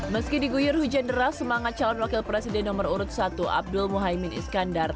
meski diguyur hujan deras semangat calon wakil presiden nomor urut satu abdul muhaymin iskandar